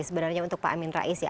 sebenarnya untuk pak amin rais ya